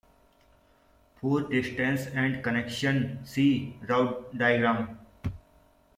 For distances and connections, see route diagram.